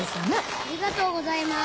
ありがとうございます。